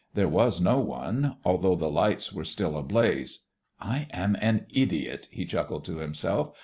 There was no one, although the lights were still ablaze. "I am an idiot," he chuckled to himself.